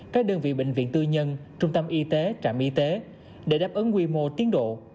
các đơn vị bệnh viện tư nhân trung tâm y tế trạm y tế để đáp ứng quy mô tiến độ